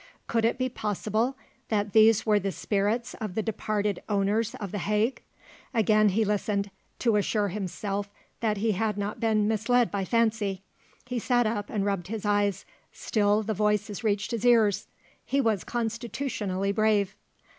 Could it be possible that these were the spirits of the departed owners of the Hagg? Again he listened, to assure himself that he had not been misled by fancy. He sat up and rubbed his eyes still the voices reached his ears. He was constitutionally brave.